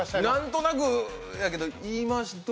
何となくやけど言い回し